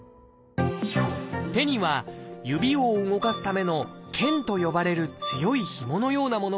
手には指を動かすための「腱」と呼ばれる強いひものようなものがあります。